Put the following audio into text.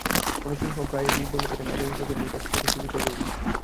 মনমোহন সিং প্রায়ই বলে থাকেন, আগামী প্রজন্মই তাঁর প্রতি সুবিচার করবে।